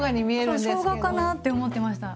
そうしょうがかなって思ってました。